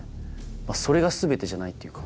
それが全てじゃないっていうか。